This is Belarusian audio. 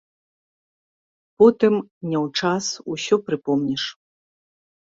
Потым, не ў час, ўсё прыпомніш.